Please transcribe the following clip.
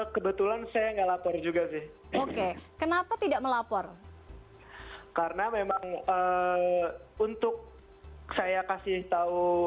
kebetulan saya enggak lapor juga sih oke kenapa tidak melapor karena memang untuk saya kasih tahu